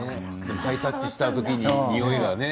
ハイタッチした時に匂いがね。